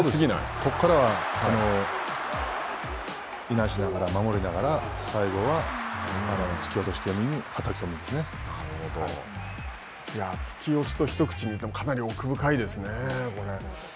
ここからは、いなしながら、守りながら、最後は突き落としぎみ突き押しと一口に言っても、かなり奥深いですね。